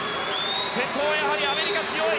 先頭はやはりアメリカ、強い。